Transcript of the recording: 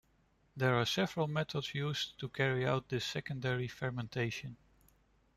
There are several methods used to carry out this secondary fermentation.